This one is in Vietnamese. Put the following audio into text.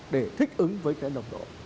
để thích ứng với cái tự chủ